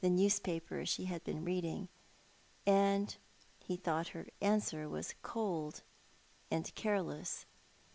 newspaper she had been reading, and he thought her answer was cold and careless.